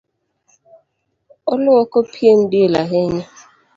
Oluoko pien del ahinya.